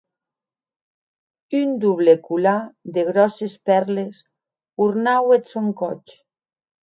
Un doble colar de gròsses pèrles ornaue eth sòn còth.